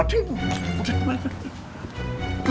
tunggu tunggu tunggu